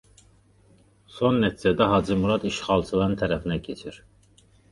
Son nəticədə Hacı Murad işğalçıların tərəfinə keçir.